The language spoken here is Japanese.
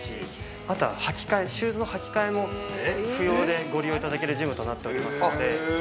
あとシューズの履き替えも不要でご利用いただけるジムとなっておりますので。